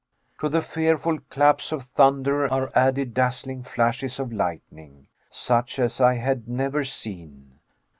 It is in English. To the fearful claps of thunder are added dazzling flashes of lightning, such as I had never seen.